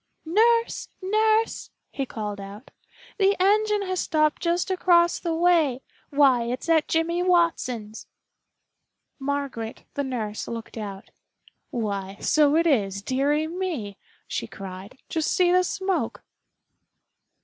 "Nurse, nurse!" he called out. "The engine has stopped just across the way. Why, it's at Jimmy Watson's." Margaret, the nurse, looked out. "Why, so it is, dearie me!" she cried. "Just see the smoke."